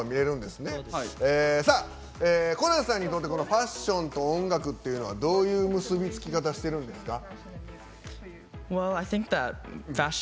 コナンさんにとってファッションと音楽ってどういう結び付き方をしてるんですか？